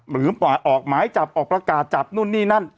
หรือออกหมายจับออกประกาศจับนู่นนี่นั่น